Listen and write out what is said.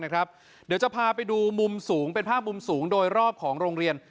เดี๋ยวจะพาไปดูมุมสูงเป็นภาพมุมสูงโดยรอบของโรงเรียน